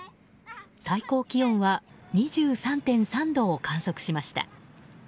最高気温は２３．３度を観測しました。